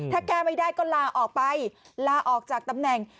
ถ้าแก้ไม่ได้ก็ลาออกไปลาออกจากตำแหน่ง